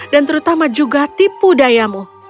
dan terutama juga tipu dayamu